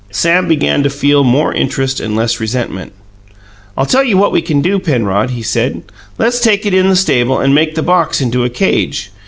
Sam began to feel more interest and less resentment. "I tell you what we can do, Penrod," he said: "Let's take it in the stable and make the box into a cage.